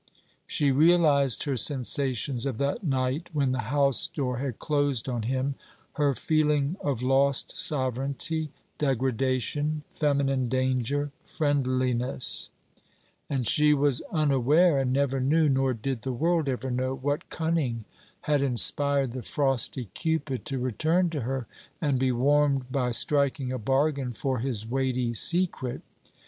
She realized her sensations of that night when the house door had closed on him; her feeling of lost sovereignty, degradation, feminine danger, friendliness: and she was unaware, and never knew, nor did the world ever know, what cunning had inspired the frosty Cupid to return to her and be warmed by striking a bargain for his weighty secret.